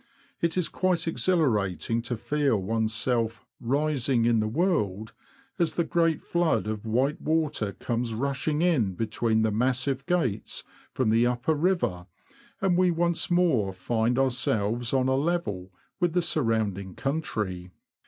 It is quite exhilarating to feel one's self " rising in the world," as the great flood of white water comes rushing in between the massive gates from the upper river, and we once more find ourselves on a level with the surrounding country.